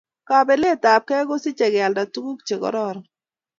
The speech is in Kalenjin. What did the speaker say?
Kabeletab gei kosichei kealda tuguk chekaroron